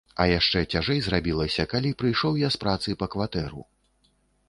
А яшчэ цяжэй зрабілася, калі прыйшоў я з працы па кватэру.